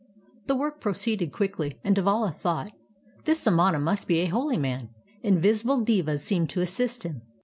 The work proceeded quickly and Devala thought: "This samana must be a holy man; in\isible devas ^ seem to assist him.